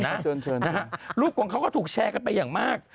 เชิญเชิญนะฮะรูปของเขาก็ถูกแชร์กันไปอย่างมาก